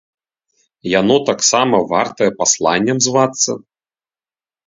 Яно таксама вартае пасланнем звацца?